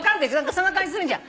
そんな感じするじゃん。